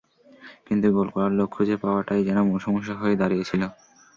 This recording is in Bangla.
কিন্তু গোল করার লোক খুঁজে পাওয়াটাই যেন মূল সমস্যা হয়ে দাঁড়িয়েছিল।